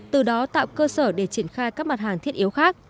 từ đó tạo cơ sở để triển khai các mặt hàng thiết yếu khác